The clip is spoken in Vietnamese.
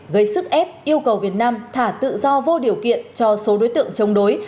gây sức ép yêu cầu việt nam thả tự do vô điều kiện cho số đối tượng chống đối